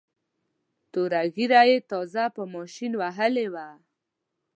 توره ږیره یې تازه په ماشین وهلې وه.